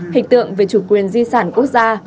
hình tượng về chủ quyền di sản quốc gia